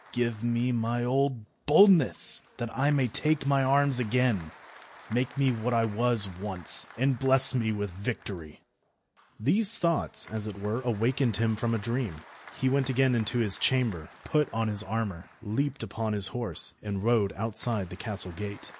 Give me my old boldness, that I may take my arms again; make me what I was once, and bless me with victory." These thoughts, as it were, awakened him from a dream. He went again into his chamber, put on his armour, leaped upon his horse, and rode outside the castle gate.